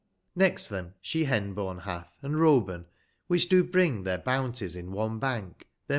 Next them slie llnilionnin hath, and Unhnnnit', which do bring Their bounties in one bank, their